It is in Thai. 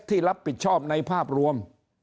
ที่รับผิดชอบในภาพรวม